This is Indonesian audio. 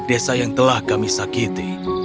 dan penuduk desa yang telah kami sakiti